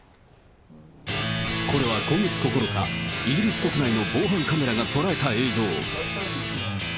これは今月９日、イギリス国内の防犯カメラが捉えた映像。